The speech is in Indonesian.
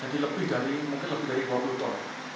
jadi lebih dari mungkin lebih dari dua puluh ton